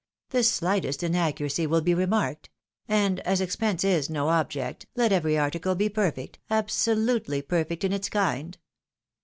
The slightest inaccuracy will be remarked ; and as expense is no object, let every article be perfect, absolutely perfect in its kind."